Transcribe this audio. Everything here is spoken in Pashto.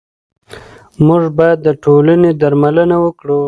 موږ باید د ټولنې درملنه وکړو.